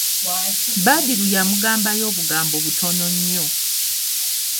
Badru yamugambayo obugambo butono nnyo.